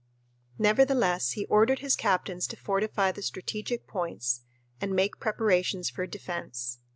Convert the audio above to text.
Nevertheless he ordered his captains to fortify the strategic points and make preparations for defense.